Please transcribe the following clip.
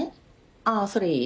あそれいい？